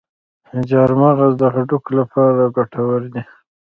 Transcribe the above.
چارمغز د هډوکو لپاره ګټور دی.